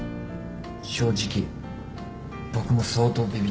正直僕も相当ビビってる。